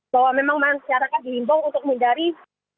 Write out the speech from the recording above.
bahwa memang masyarakat dihimbau untuk menjari tanggal enam tujuh dan delapan